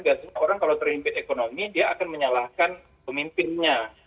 biasanya orang kalau terhimpit ekonomi dia akan menyalahkan pemimpinnya